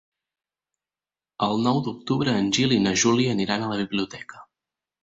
El nou d'octubre en Gil i na Júlia aniran a la biblioteca.